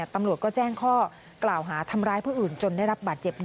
ตำรวจก็แจ้งข้อกล่าวหาทำร้ายผู้อื่นจนได้รับบาดเจ็บ